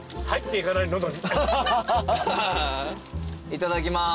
いただきます。